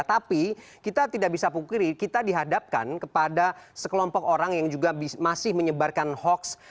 tapi kita tidak bisa pungkiri kita dihadapkan kepada sekelompok orang yang juga masih menyebarkan hoax